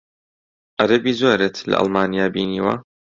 عەرەبی زۆرت لە ئەڵمانیا بینیوە؟